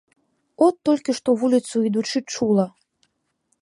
От толькі што, вуліцаю ідучы, чула.